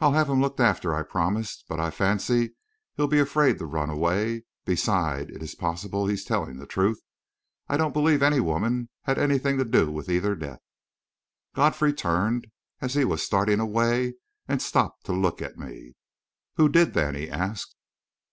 "I'll have him looked after," I promised. "But I fancy he'll be afraid to run away. Besides, it is possible he's telling the truth. I don't believe any woman had anything to do with either death." Godfrey turned, as he was starting away, and stopped to look at me. "Who did then?" he asked.